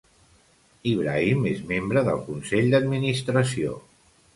Ibrahim és membre del consell d'administració.